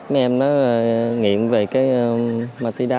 mấy em nó nghiệm về cái ma túy đá